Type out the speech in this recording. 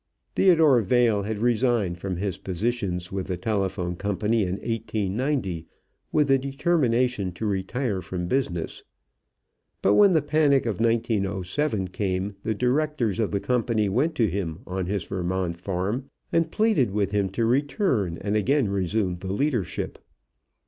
Theodore Vail had resigned from his positions with the telephone companies in 1890 with the determination to retire from business. But when the panic of 1907 came the directors of the company went to him on his Vermont farm and pleaded with him to return and again resume the leadership.